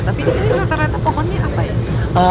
tapi ini rata rata pohonnya apa ya